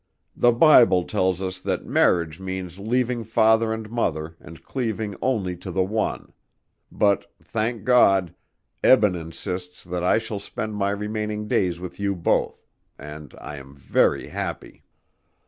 The Bible tells us that marriage means leaving father and mother and cleaving only to the one but thank God, Eben insists that I shall spend my remaining days with you both, and I am very happy."